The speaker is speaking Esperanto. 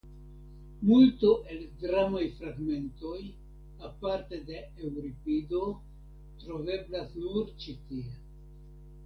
Multo el dramaj fragmentoj (aparte de Eŭripido) troveblas nur ĉi tie.